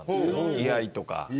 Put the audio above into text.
居合とか。